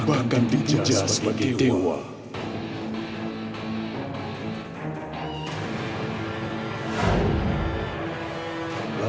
bahkan dipinjau sebagai dewa